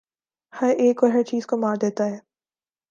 ہر ایک اور ہر چیز کو مار دیتا ہے